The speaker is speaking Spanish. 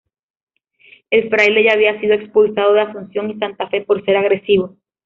El fraile ya había sido expulsado de Asunción y Santa Fe por ser agresivo.